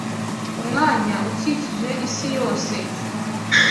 Umwanya ukikije isi yose